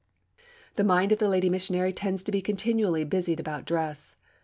The mind of the lady missionary tends to be continually busied about dress.